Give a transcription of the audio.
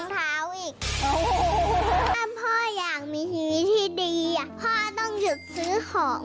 ถ้าพ่ออยากมีทีที่ดีพ่อต้องหยุดซื้อของ